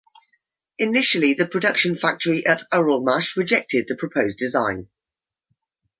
Initially the production factory at Uralmash rejected the proposed design.